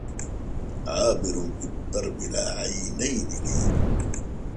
عابر في الدرب لا عينين لي!